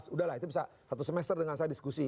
udah lah itu bisa satu semester dengan saya diskusi